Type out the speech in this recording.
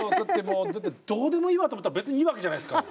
だってどうでもいいわと思ったら別にいいわけじゃないですか。